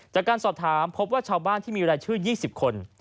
จากการสอบถามพบว่าชาวบ้านที่มีรายชื่อ๒๐คน